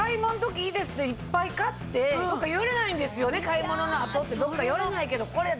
買い物の後ってどっか寄れないけど。